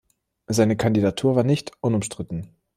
Seine Kandidatur war nicht unumstritten.